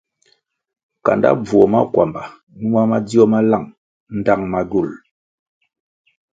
Kanda bvuo makwamba numa madzio ma lang ndtang magywul.